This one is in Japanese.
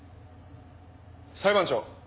裁判長。